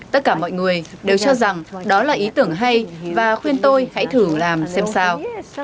tất cả mọi người đều cho rằng đó là ý tưởng hay và khuyên tôi hãy thử làm xem sao